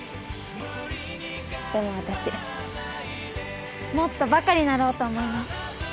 でも私もっとバカになろうと思います。